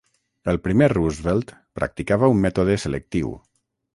El primer Roosevelt practicava un mètode selectiu.